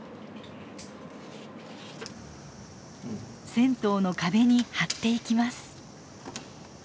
銭湯の壁に貼っていきます。